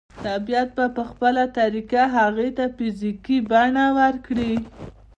طبيعت به په خپله طريقه هغې ته فزيکي بڼه ورکړي.